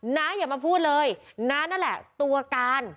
น้าอย่ามาพูดเลยน้านั่นแหละตัวการ